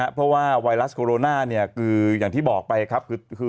เพราะว่าไวรัสโคโรนาคืออย่างที่บอกไปครับ